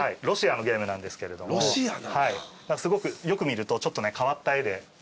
ロシアのゲームなんですけれどもよく見るとちょっとね変わった絵で。